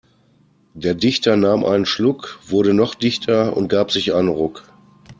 Der Dichter nahm einen Schluck, wurde noch dichter und gab sich einen Ruck.